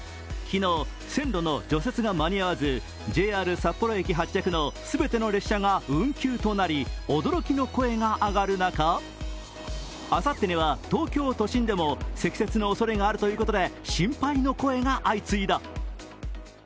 昨日、線路の除雪が間に合わずＪＲ札幌駅発着の全ての列車が運休となり驚きの声が上がる中あさってには東京都心でも積雪のおそれがあるということで心配の声が相次いだ。